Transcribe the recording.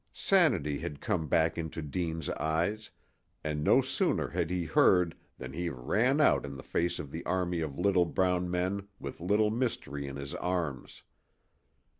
Sanity had come back into Deane's eyes, and no sooner had he heard than he ran out in the face of the army of little brown men with Little Mystery in his arms.